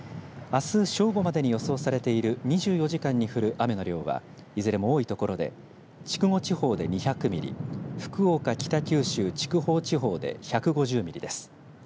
あす正午までに予想されている２４時間に降る雨の量はいずれも多い所で筑後地方で２００ミリ、福岡、北九州、筑豊地方で１５０ミリです。